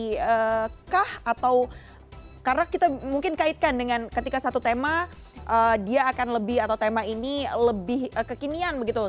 jadi preferensi kah atau karena kita mungkin kaitkan dengan ketika satu tema dia akan lebih atau tema ini lebih kekinian begitu